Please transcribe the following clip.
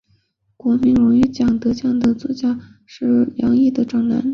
国民荣誉奖得奖的作曲家服部良一的长男。